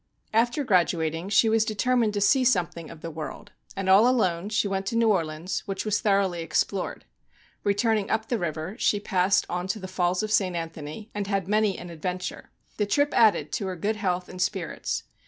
After graduating, she determined to see something of the world, and all alone she went to New Orleans, which was thorough ly explored. Returning up the river, she passed on to the Falls of St. Anthony, and had many an adventure. The trip added to her good health and spirits.